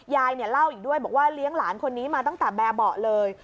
ยายเนี่ยเล่าอีกด้วยบอกว่าเลี้ยงหลานคนนี้มาตั้งแต่แบบเบาะเลย